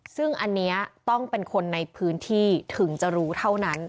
ซึ่งอันนี้ต้องเป็นคนในพื้นที่ถึงจะรู้เท่านั้น